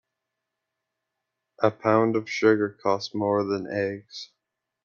A pound of sugar costs more than eggs.